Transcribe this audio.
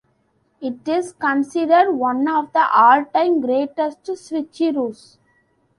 It is considered one of the all-time greatest switcheroos.